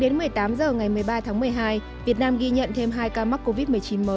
tính đến một mươi tám h ngày một mươi ba tháng một mươi hai việt nam ghi nhận thêm hai ca mắc covid một mươi chín mới